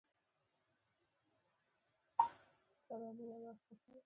ابراهیم لینکلن وایي نوی کتاب غوره دوست دی.